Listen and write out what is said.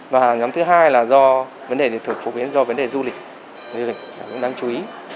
và nhóm thứ hai là do vấn đề thực phổ biến do vấn đề du lịch đang chú ý